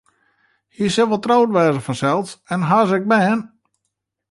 Hy sil wol troud wêze fansels en hawwe se ek bern?